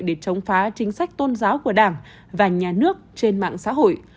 để chống phá chính sách tôn giáo của đảng và nhà nước trên mạng xã hội